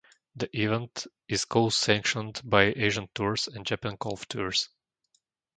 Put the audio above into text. The event is co-sanctioned by the Asian Tour and Japan Golf Tour.